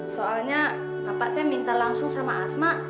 soalnya bapak tuh yang minta langsung sama rasma